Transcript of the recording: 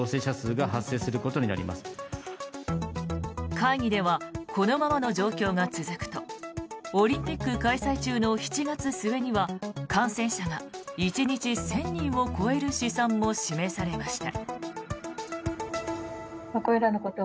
会議ではこのままの状況が続くとオリンピック開催中の７月末には感染者が１日１０００人を超える試算も示されました。